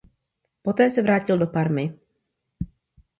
Poté se vrátil do Parmy.